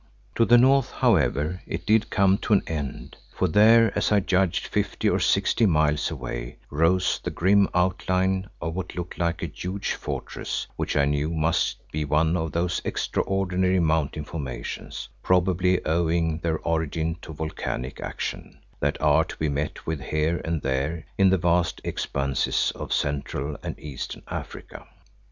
To the north, however, it did come to an end, for there, as I judged fifty or sixty miles away, rose the grim outline of what looked like a huge fortress, which I knew must be one of those extraordinary mountain formations, probably owing their origin to volcanic action, that are to be met with here and there in the vast expanses of Central and Eastern Africa.